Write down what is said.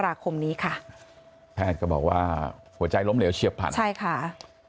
ราคมนี้ค่ะแพทย์ก็บอกว่าหัวใจล้มเหลวเฉียบพันใช่ค่ะ